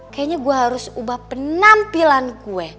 kayaknya gue harus ubah penampilan gue